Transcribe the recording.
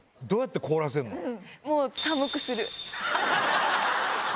どうやって作るの？